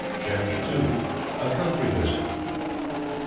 CHAPTER II. A COUNTRY VISIT.